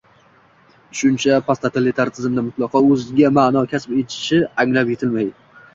tushuncha posttotalitar tizimda mutlaqo o‘zga ma’no kasb etishi anglab yetilmay